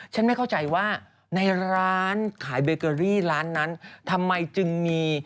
ไม่เข้าใจว่าในร้านขายเบเกอรี่ร้านนั้นทำไมจึงมี